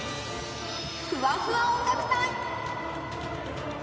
ふわふわ音楽隊。